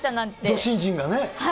ど新人がね。